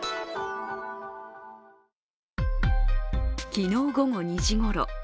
昨日、午後２時ごろ。